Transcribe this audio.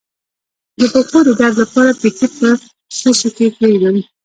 د پښو د درد لپاره پښې په څه شي کې کیږدم؟